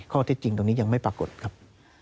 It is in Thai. ข้อเท็จจริงตรงนี้ยังไม่ปรากฏครับ